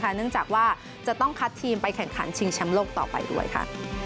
เนื่องจากว่าจะต้องคัดทีมไปแข่งขันชิงแชมป์โลกต่อไปด้วยค่ะ